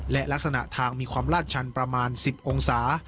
และลักษณะทางมีความลาดชันประมาณ๑๐องศา